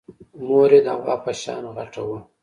مور يې د غوا په شان غټه وه.